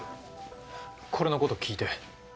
これのこと聞いて。